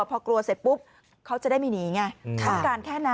พอกลัวเสร็จปุ๊บเค้าจะได้ไม่หนีนี่ไง